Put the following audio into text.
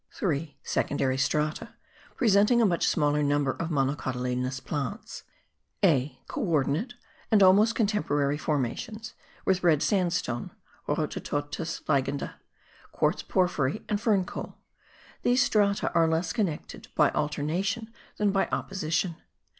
3. Secondary strata, presenting a much smaller number of monocotyledonous plants; (a) Co ordinate and almost contemporary formations with red sandstone (rothe todtes liegende), quartz porphyry and fern coal. These strata are less connected by alternation than by opposition.